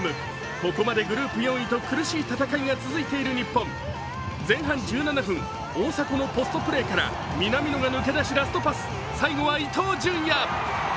ここまでグループ４位と苦しい戦いが続いている日本、前半１７分大迫のポストプレーから南野が抜け出し、ラストパス、最後は伊東純也。